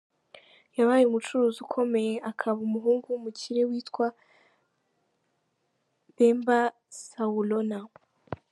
Yabaye umucuruzi ukomeye akaba umuhungu w’umukire witwa Bemba Saolona.